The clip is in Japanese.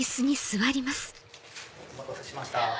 お待たせしました。